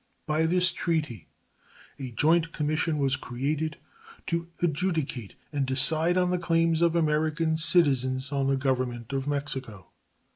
By this treaty a joint commission was created to adjudicate and decide on the claims of American citizens on the Government of Mexico.